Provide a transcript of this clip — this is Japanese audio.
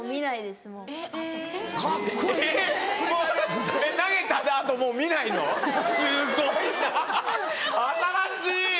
すごいな新しい！